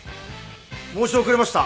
申し遅れました。